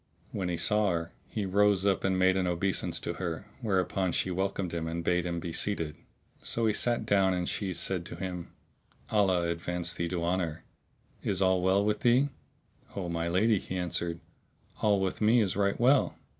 When he saw her, he rose up and made an obeisance to her, whereupon she welcomed him and bade him be seated. So he sat down and she said to him, "Allah advance thee to honour! Is all well with thee?" "O my lady," he answered, "all with me is right well."